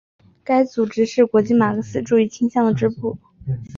该组织是国际马克思主义倾向的支部。